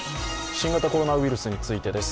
新型コロナウイルスについてです。